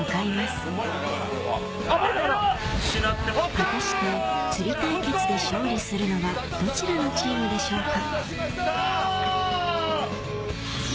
果たして釣り対決で勝利するのはどちらのチームでしょうか？